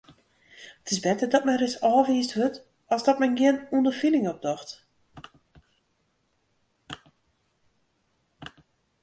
It is better dat men ris ôfwiisd wurdt as dat men gjin ûnderfining opdocht.